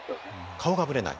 顔がぶれない？